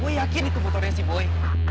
moi yakin itu motorenya sih boy